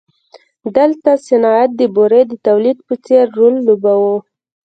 دلته صنعت د بورې د تولید په څېر رول لوباوه.